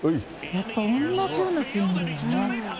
やっぱり同じようなスイングですよね。